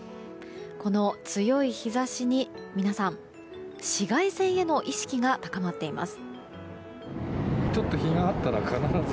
この強い日差しに皆さん、紫外線への意識が高まっています。